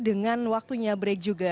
dengan waktunya break juga